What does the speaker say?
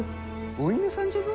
お犬さんじゃぞ。